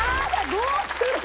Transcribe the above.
どうする？